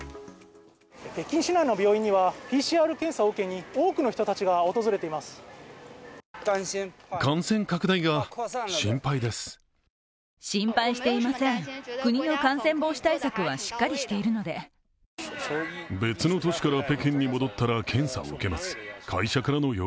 北京市内の病院にはＰＣＲ検査を受けに多くの人たちが訪れています。